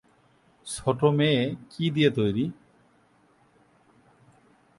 ছোট মেয়ে কি দিয়ে তৈরি?